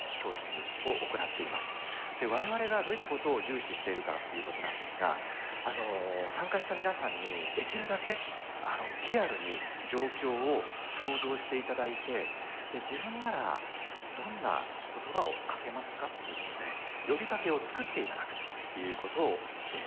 我々がどういったことを重視しているかということなんですが参加した皆さんにできるだけリアルに状況を想像して頂いて自分ならどんな言葉をかけますかということで呼びかけを作って頂くということをしているんですね。